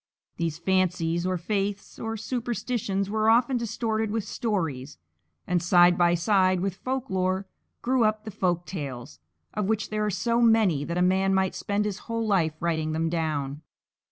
These fancies or faiths or superstitions were often distorted with stories, and side by side with folk lore grew up the folk tales, of which there are so many that a man might spend his whole life writing them down.